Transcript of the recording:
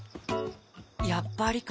やっぱりか。